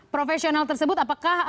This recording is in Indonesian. profesional tersebut apakah